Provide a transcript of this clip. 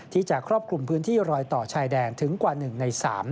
ครอบคลุมพื้นที่รอยต่อชายแดนถึงกว่า๑ใน๓